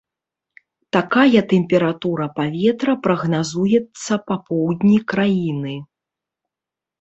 Такая тэмпература паветра прагназуецца па поўдні краіны.